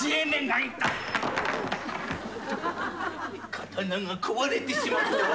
刀が壊れてしまったわ。